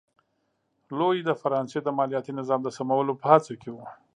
لويي د فرانسې د مالیاتي نظام د سمولو په هڅه کې و.